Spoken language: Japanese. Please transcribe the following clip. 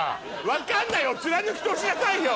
「分かんない」を貫き通しなさいよ。